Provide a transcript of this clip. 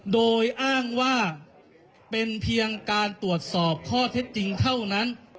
โดยอ้างว่าเป็นเพียงการตรวจสอบข้อเท็จจริงเท่านั้น